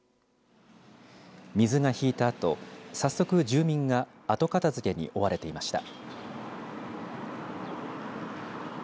水がひいたあと早速、住民が後片づけに追われていました。